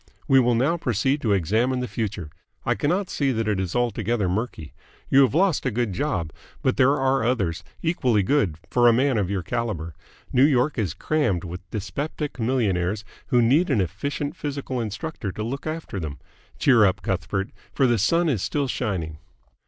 We will now proceed to examine the future. I cannot see that it is altogether murky. You have lost a good job, but there are others, equally good, for a man of your calibre. New York is crammed with dyspeptic millionaires who need an efficient physical instructor to look after them. Cheer up, Cuthbert, for the sun is still shining!"